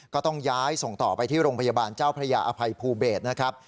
ก็ต้องย้ายส่งต่อไปที่โรงพยาบาลเจ้าพระยาอภัยภูเบศนะครับ